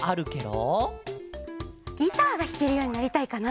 ギターがひけるようになりたいかな！